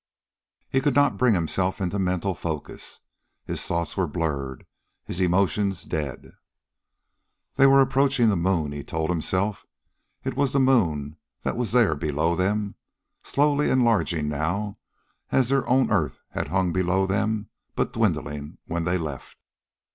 He could not bring himself into mental focus. His thoughts were blurred, his emotions dead. They were approaching the moon, he told himself. It was the moon that was there below them, slowly enlarging now, as their own earth had hung below them, but dwindling, when they left.